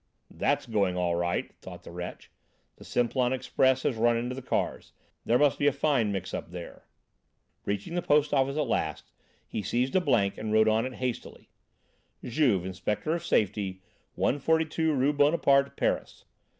"That's going all right," thought the wretch; "the Simplon express has run into the cars. There must be a fine mix up there." Reaching the post office at last, he seized a blank and wrote on it hastily: "Juve, Inspector of Safety, 142 Rue Bonaparte, Paris.